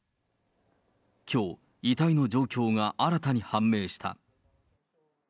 きょう、遺体の状況が新たに判明した。